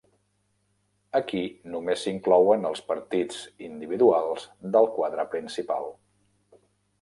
Aquí només s'inclouen els partits individuals del quadre principal.